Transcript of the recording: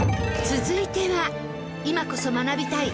続いては今こそ学びたい！